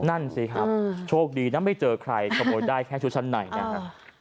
นั่นสิครับโชคดีนะไม่เจอใครขโมยได้แค่ชุดชั้นในนะครับ